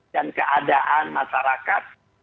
dan keadaan masyarakat